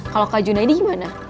kalau kak juna ini gimana